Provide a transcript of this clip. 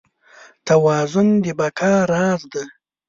توازن د بقا راز دی.